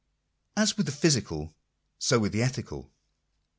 As with the physical, so with the ethical.